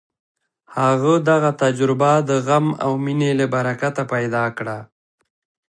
هغه دغه تجربه د غم او مینې له برکته پیدا کړه